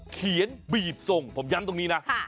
เขียนบีบทรงผมย้ำตรงนี้นะ